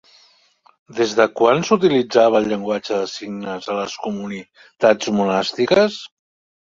Des de quan s'utilitzava el llenguatge de signes a les comunitats monàstiques?